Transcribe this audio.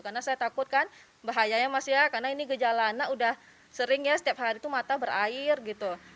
karena saya takutkan bahayanya mas ya karena ini gejala anak udah sering ya setiap hari itu mata berair gitu